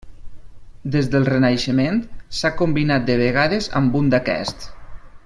Des del Renaixement, s'ha combinat de vegades amb un d'aquests.